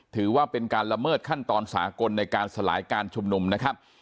ถือว่าเป็นการละเมิดขั้นตอนสากลในการสลายการชุมนุมนะครับ